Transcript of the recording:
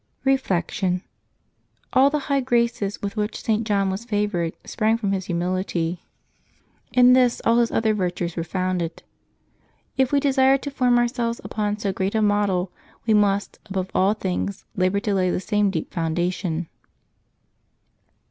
Reflection. — All the high graces with which St. John was favored sprang from his humility ; in this all his other 298 LIVES OF TEE SAINTS [August 30 virtues were founded. If we desire to form ourselyes upon so great a model, we must, above all things, labor to laj the same deep foundation.